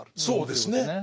そうですね。